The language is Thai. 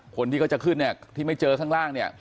คนที่เขาจะขึ้นเนี่ยที่ไม่เจอข้างล่างเนี่ย